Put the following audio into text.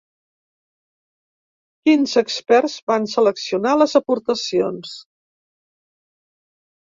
Quinze experts van seleccionar les aportacions.